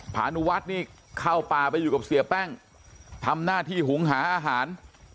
พานุวัฒน์นี่เข้าป่าไปอยู่กับเสียแป้งทำหน้าที่หุงหาอาหาร